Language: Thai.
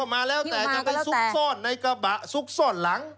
ก็มาแล้วแต่สุกซ่อนในกระบะสุกซ่อนหลัง